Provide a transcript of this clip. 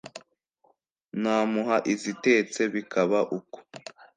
namuha izitetse bikaba uko.